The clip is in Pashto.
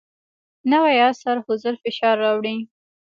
نوی عصر حضور فشار راوړی.